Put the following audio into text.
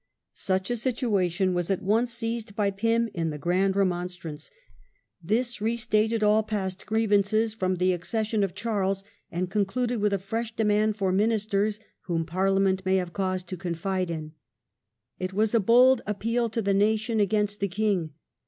Such a situation was at once seized by Pym in the "Grand Remonstrance"; this re stated all past grievances from the accession of Charles, and concluded ^j^^ Grand with a fresh demand for ministers whom Remonstrance. "Parliament may have cause to confide in". ^°^"^''^^' It was a bold appeal to the nation against the king.